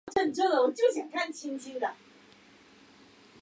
圣保罗足球会是当时圣保罗省得利最多的球会。